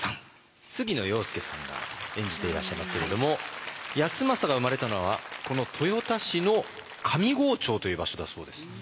杉野遥亮さんが演じていらっしゃいますけれども康政が生まれたのはこの豊田市の上郷町という場所だそうです。